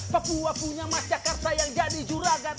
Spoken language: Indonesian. papua punya masyarakat sayang jadi juragan